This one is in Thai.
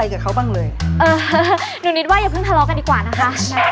อ่าวโหหนูนิดว่าอย่าเพิ่งทะเลาะกันดีกว่านะคะ